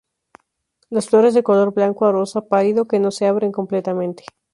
Las flores de color blanco a rosa pálido que no se abren completamente.